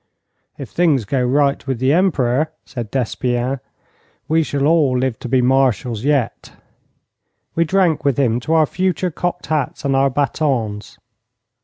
'If things go right with the Emperor,' said Despienne, 'we shall all live to be marshals yet.' We drank with him to our future cocked hats and our bâtons.